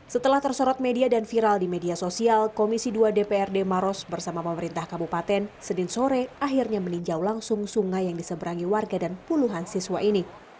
setelah tersorot media dan viral di media sosial komisi dua dprd maros bersama pemerintah kabupaten senin sore akhirnya meninjau langsung sungai yang diseberangi warga dan puluhan siswa ini